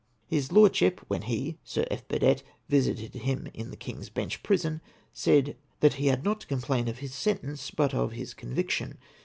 His Lordship, when he (Sir F. Bm'dett) visited him in the King's Bench Prison, said that he had not to complain of his sentence, but of his conviction.